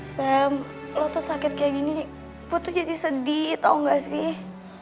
sam lo tersakit kayak gini gue tuh jadi sedih tau gak sih